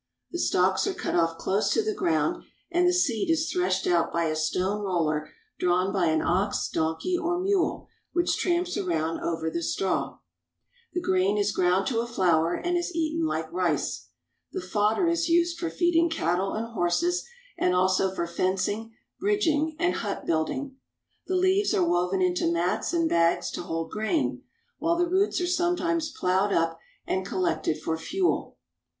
The stalks are cut off close to the ground, and the seed is threshed out by a stone roller 146 MONGOLIA AND MANCHURIA drawn by an ox, donkey, or mule, which tramps around over the straw. The grain is ground to a flour, and is eaten like rice. The fodder is used for feeding cattle and horses, and also for fencing, bridging, and hut building. The leaves are woven into mats and bags to hold grain, while the roots are sometimes plowed up and collected for fuel.